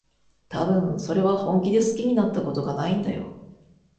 たぶん、それは本気で好きになったことがないんだよ。